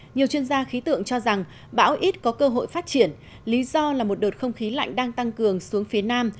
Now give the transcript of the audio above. nhiều chuyên gia khí tượng cho rằng bão ít có cơ hội phát triển lý do là một đợt không khí lạnh đang tăng cường xuống phía nam